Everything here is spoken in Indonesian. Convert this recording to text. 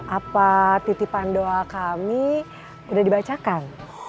apa titipan doa kami sudah dibacakan